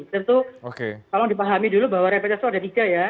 tentu kalau dipahami dulu bahwa repetes itu ada tiga ya